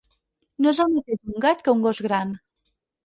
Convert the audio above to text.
No és el mateix un gat que un gos gran.